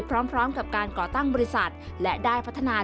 พร้อมกับการก่อตั้งบริษัทและได้พัฒนา